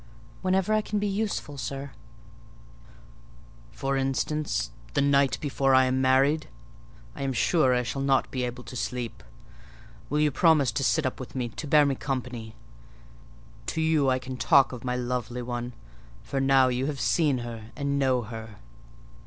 "Whenever I can be useful, sir." "For instance, the night before I am married! I am sure I shall not be able to sleep. Will you promise to sit up with me to bear me company? To you I can talk of my lovely one: for now you have seen her and know her."